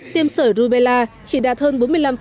tiêm sở rubella chỉ đạt hơn bốn mươi năm